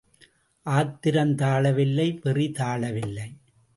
ஆத்திரம் தாளவில்லை வெறி தாளவில்லை.